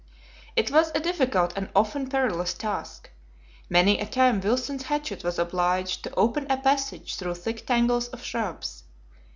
It was a difficult and often perilous task. Many a time Wilson's hatchet was obliged to open a passage through thick tangles of shrubs.